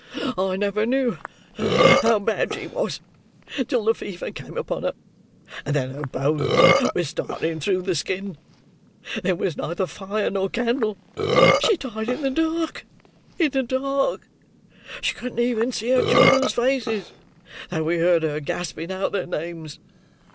I never knew how bad she was, till the fever came upon her; and then her bones were starting through the skin. There was neither fire nor candle; she died in the dark—in the dark! She couldn't even see her children's faces, though we heard her gasping out their names.